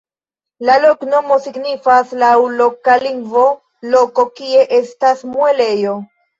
La loknomo signifas laŭ loka lingvo "loko kie estas muelejo".